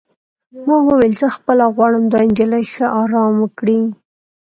ما وویل: زه خپله غواړم دا نجلۍ ښه ارام وکړي.